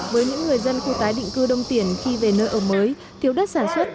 với những người dân khu tái định cư đông tiền khi về nơi ở mới thiếu đất sản xuất